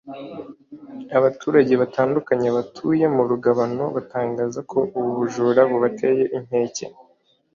Abaturage batandukanye batuye mu Rugabano batangaza ko ubu bujura bubateye inkeke